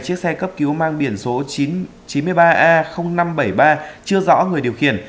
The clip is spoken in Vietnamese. chiếc xe cấp cứu mang biển số chín mươi ba a năm trăm bảy mươi ba chưa rõ người điều khiển